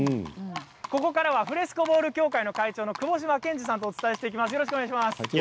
ここからはフレスコボール協会の会長の窪島剣璽さんとお伝えしていきます。